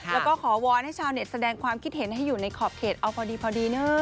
แล้วก็ขอวอนให้ชาวเน็ตแสดงความคิดเห็นให้อยู่ในขอบเขตเอาพอดีพอดีเนอะ